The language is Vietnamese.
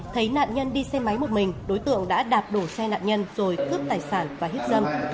thấy nạn nhân đi xe máy một mình đối tượng đã đạp đổ xe nạn nhân rồi cướp tài sản và hiếp dâm